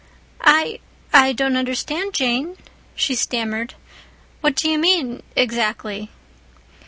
"I—I don't understand, Jane," she stammered. "What do you mean—exactly?"